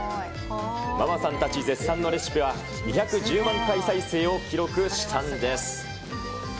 ママさんたち絶賛のレシピは、２１０万回再生を記録したんです。